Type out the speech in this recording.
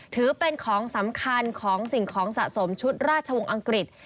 ถือเป็นของสำคัญของสิ่งของสะสมชุดราชวงศ์อังกฤษ